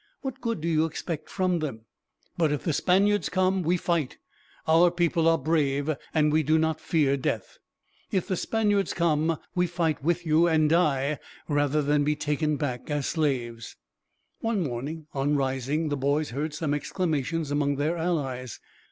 What good do you expect from them? But if the Spaniards come, we fight. Our people are brave, and we do not fear death. If the Spaniards come we fight with you, and die rather than be taken back as slaves." One morning, on rising, the boys heard some exclamations among their allies.